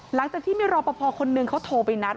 หลังจากที่มีรอปภคนนึงเขาโทรไปนัด